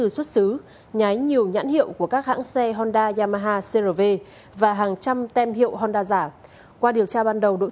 xin chào các bạn